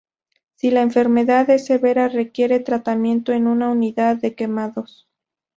Si la enfermedad es severa, requiere tratamiento en una unidad de quemados.